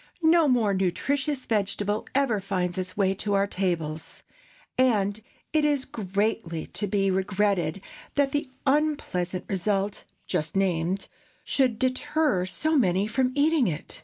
No more nutritious vegetable ever finds its way to our tables, and it is greatly to be regretted that the unpleasant result just named should deter so many from eating it.